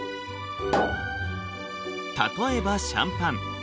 例えばシャンパン。